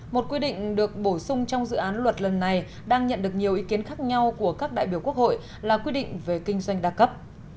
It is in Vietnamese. một quy định được bổ sung trong dự án luật lần này đang nhận được nhiều ý kiến khác nhau của các đại biểu quốc hội là quy định về kinh doanh đa cấp